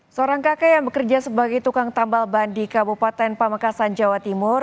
seorang kakek yang bekerja sebagai tukang tambal ban di kabupaten pamekasan jawa timur